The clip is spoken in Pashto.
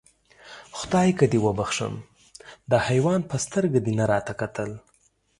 خدایکه دې وبښم، د حیوان په سترګه دې نه راته کتل.